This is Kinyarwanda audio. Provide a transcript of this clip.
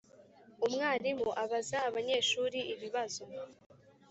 Umwarimu abaza abanyeshuri ibibazo